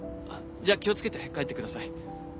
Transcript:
じゃあ気を付けて帰って下さい。